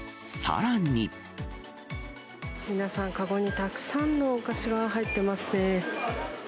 皆さん、籠にたくさんのお菓子が入ってますね。